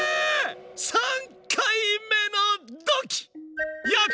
３回目のドッキー！